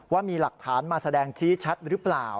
ว่ามีหลักฐานมาแสดงชี้ชัดหรือเปล่า